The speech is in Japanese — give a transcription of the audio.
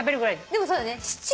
でもそうだね。